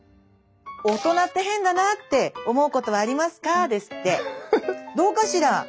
「大人って変だなって思うことはありますか？」ですって。どうかしら？